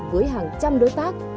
với hàng trăm đối tác